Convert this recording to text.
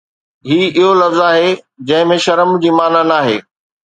هي اهو لفظ آهي جنهن ۾ شرم جي معنيٰ ناهي